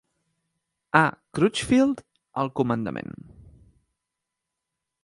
A. Crutchfield al comandament.